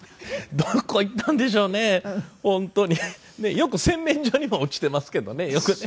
よく洗面所には落ちていますけどねよくね。